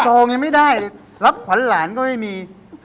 ทองยังไม่ได้รับขวัญหลานก็ไม่มี